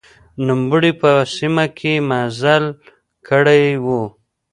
نوموړي په سیمه کې مزل کړی و.